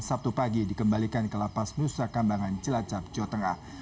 sabtu pagi dikembalikan ke lapas nusa kambangan cilacap jawa tengah